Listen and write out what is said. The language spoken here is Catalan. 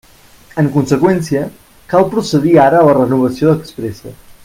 En conseqüència, cal procedir ara a la renovació expressa.